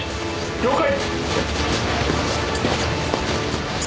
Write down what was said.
了解！